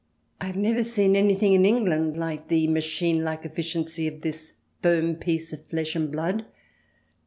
I have never seen anything in England like the machine Hke efficiency of this firm piece of flesh and blood.